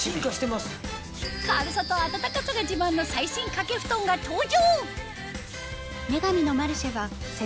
軽さと暖かさが自慢の最新掛け布団が登場！